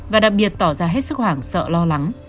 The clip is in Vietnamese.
và đặc biệt tỏ ra hết sức hoảng sợ lo lắng